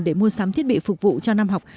để mua sắm thiết bị phục vụ cho năm học